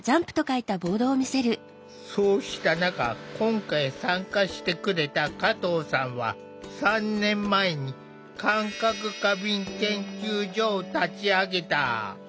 そうした中今回参加してくれた加藤さんは３年前に「感覚過敏研究所」を立ち上げた。